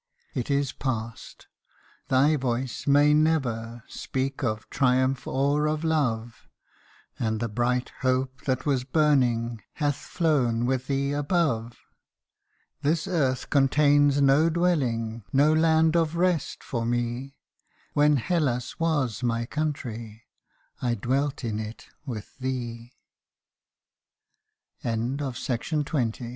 It is past thy voice may never Speak of triumph, or of love ; And the bright hope that was burning Hath flown with thee above. This earth contains no dwelling, No land of rest for me ; When Hellas was my count